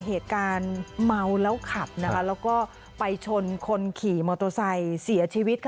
เหตุการณ์เมาแล้วขับแล้วก็ไปชนคนขี่มอโตไซค์เสียชีวิต